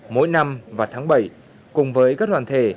mỗi năm và tháng bảy cùng với các đoàn thể